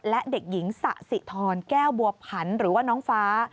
และเด็กหญิงสะสิทรแก้วบัวผันหรือว่าน้องฟ้า